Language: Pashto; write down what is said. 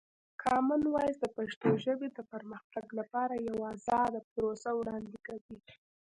کامن وایس د پښتو ژبې د پرمختګ لپاره یوه ازاده پروسه وړاندې کوي.